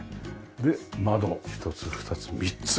窓１つ２つ３つ。